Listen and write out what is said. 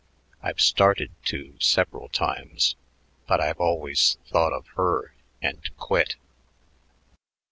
I've started to several times, but I've always thought of her and quit."